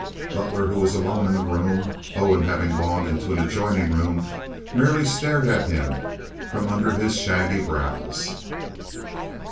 Butler, who was alone in the room—Owen having gone into an adjoining room—merely stared at him from under his shaggy brows.